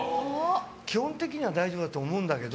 基本的には大丈夫だと思うんだけど。